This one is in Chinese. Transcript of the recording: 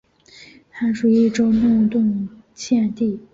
汉属益州弄栋县地。